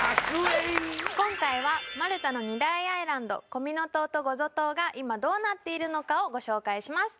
今回はマルタの２大アイランドコミノ島とゴゾ島が今どうなっているのかをご紹介します